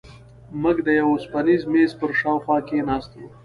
موږ د یوه اوسپنیز میز پر شاوخوا کېناستو.